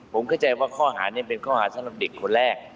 ผมเข้าใจว่าข้อหานี้เป็นข้อหาสำหรับเด็กคนแรก